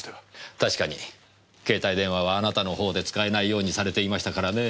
確かに携帯電話はあなたの方で使えないようにされていましたからねえ。